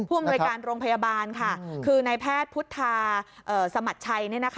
อำนวยการโรงพยาบาลค่ะคือนายแพทย์พุทธาสมัชชัย